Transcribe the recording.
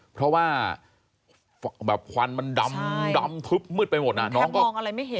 เพราะว่าแบบควันมันดำทึบมืดไปหมดอ่ะน้องก็มองอะไรไม่เห็น